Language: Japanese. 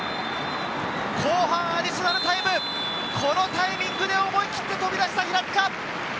後半アディショナルタイム、このタイミングで思い切って飛び出した平塚。